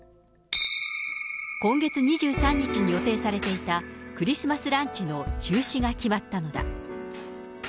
今月２３日に予定されていたクリスマス・ランチの中止が決まったのだ。